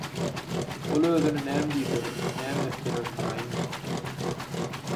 Ol özüne näme diýseler, näme etseler taýyndy.